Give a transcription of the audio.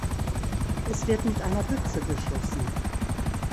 Es wird mit einer Büchse geschossen.